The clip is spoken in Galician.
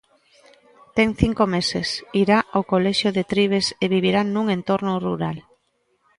Ten cinco meses, irá o colexio de Trives e vivirá nun entorno rural.